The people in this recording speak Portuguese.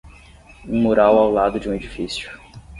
Um mural ao lado de um edifício.